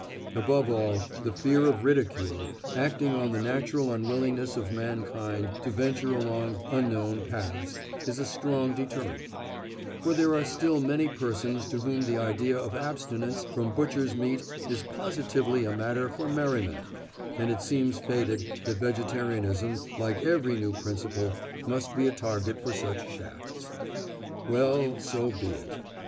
Above all, the fear of ridicule, acting on the natural unwillingness of mankind to venture along unknown paths, is a strong deterrent; for there are still many persons to whom the idea of abstinence from butchers' meat is positively a matter for merriment, and it seems fated that vegetarianism, like every new principle, must be a target for such shafts. Well, so be it!